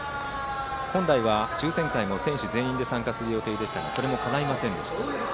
本来は抽選会も、選手全員で参加する予定でしたがそれもかないませんでした。